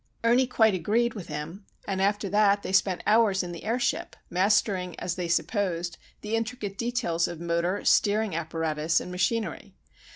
Ernie quite agreed with him, and after that they spent hours in the airship, mastering as they supposed the intricate details of motor, steering apparatus, and machinery.